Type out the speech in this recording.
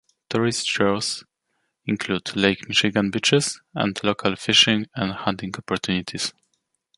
Tourist draws include Lake Michigan beaches and local fishing and hunting opportunities.